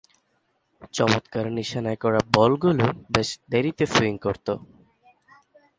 চমৎকার নিশানায় করা বলগুলো বেশ দেরীতে সুইং করতো।